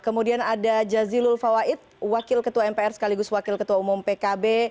kemudian ada jazilul fawait wakil ketua mpr sekaligus wakil ketua umum pkb